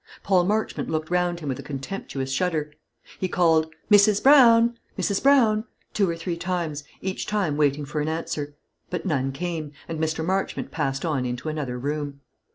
Paul Marchmont looked round him with a contemptuous shudder. He called "Mrs. Brown! Mrs. Brown!" two or three times, each time waiting for an answer; but none came, and Mr. Marchmont passed on into another room.